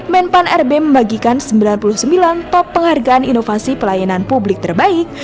menpan rb membagikan sembilan puluh sembilan top penghargaan inovasi pelayanan publik terbaik